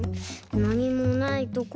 なにもないところから。